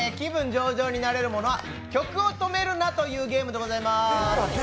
上々になれるものは「曲を止めるな！」というゲームでございます。